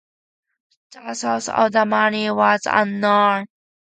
The source of the money was unknown.